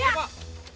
ya udah pak